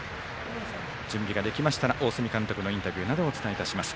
準備ができましたら大角監督のインタビューなどをお伝えいたします。